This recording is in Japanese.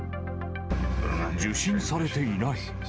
受信されていない。